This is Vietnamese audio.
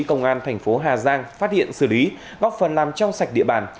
công an thành phố hà giang phát hiện xử lý góp phần làm trong sạch địa bàn